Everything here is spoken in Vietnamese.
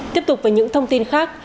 tiếp tục với những thông tin khác